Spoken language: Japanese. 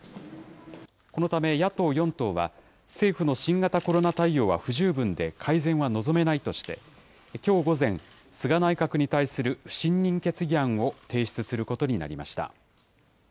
このため野党４党は、政府の新型コロナ対応は不十分で、改善は望めないとして、きょう午前、菅内閣に対する不信任決議案を提出することになりました。